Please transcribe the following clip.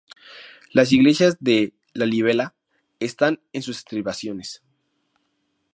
Las iglesias de Lalibela están en sus estribaciones.